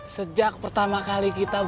sejak pertama kali kita